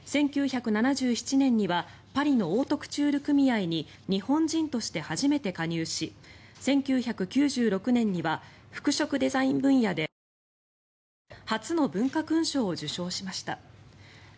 １９７７年にはパリのオートクチュール組合に日本人として初めて加入し１９９６年には服飾デザイン分野で初の文化勲章も受章しました。